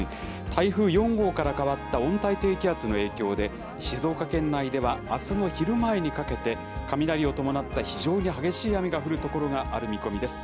台風４号から変わった温帯低気圧の影響で、静岡県内ではあすの昼前にかけて、雷を伴った非常に激しい雨が降る所がある見込みです。